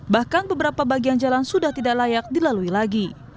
bahkan beberapa bagian jalan sudah tidak layak dilalui lagi